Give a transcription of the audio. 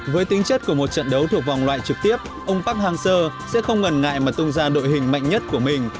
với tính chất của một trận đấu thuộc vòng loại trực tiếp ông park hang seo sẽ không ngần ngại mà tung ra đội hình mạnh nhất của mình